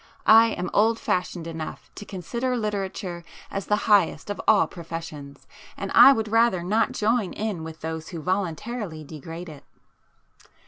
I am old fashioned enough to consider Literature as the highest of all professions, and I would rather not join in with those who voluntarily degrade it."